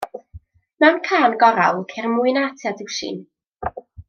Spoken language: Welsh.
Mewn cân gorawl, ceir mwy na tua dwsin.